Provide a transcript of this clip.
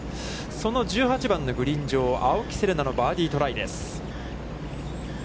その１８番のグリーン上、青木瀬令奈のバーディートライです。